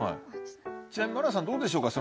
ちなみに愛菜さんどうでしょうか？